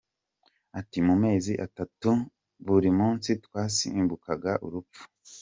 Ati “Mu mezi atatu buri munsi twasimbukaga urupfu.